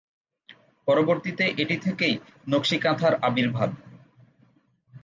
পরবর্তীতে এটি থেকেই নকশি কাঁথার আবির্ভাব।